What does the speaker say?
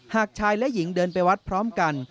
หากชายและหญิงเดินไปวัดพร้อมกัน